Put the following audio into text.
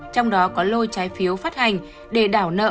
trong đó có lôi trái phiếu phát hành để đảo nợ